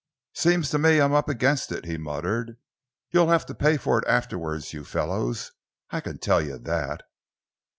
"Seems to me I'm up against it," he muttered. "You'll have to pay for it afterwards, you fellows, I can tell you that."